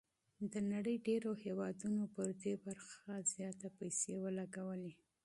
د نړۍ ډېرو هېوادونو پر دې برخه زياتې پيسې ولګولې.